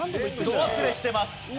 ど忘れしてます。